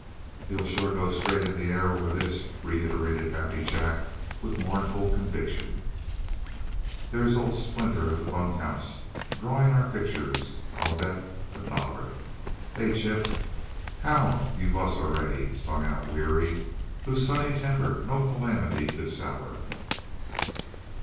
"He'll sure go straight in the air over this," reiterated Happy Jack, with mournful conviction. "There's old Splinter at the bunk house drawing our pictures, I'll bet a dollar. Hey, Chip! How you vas, already yet?" sung out Weary, whose sunny temper no calamity could sour.